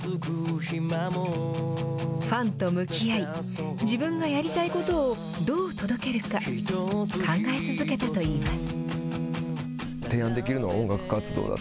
ファンと向き合い、自分がやりたいことをどう届けるか、考え続けたといいます。